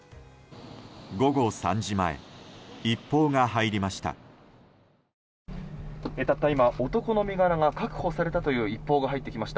午後３時前一報が入りました。